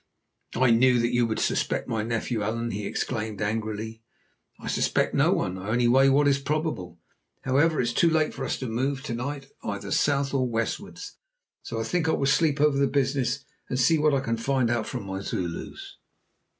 "I knew that you would suspect my nephew, Allan," he exclaimed angrily. "I suspect no one; I only weigh what is probable. However, it is too late for us to move to night either south or westwards, so I think I will sleep over the business and see what I can find out from my Zulus."